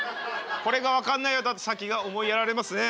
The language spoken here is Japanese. これが分かんないようだと先が思いやられますね。